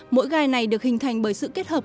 mỗi gai này được hình thành bởi sự kết hợp